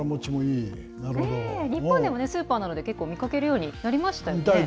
日本でもスーパーなどで結構見かけるようになりましたよね。